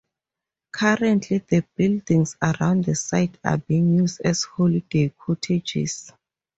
Currently, the buildings around the site are being used as holiday cottages.